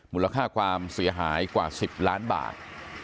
มูลค่าความเสียหายกว่า๑๐ล้านบาท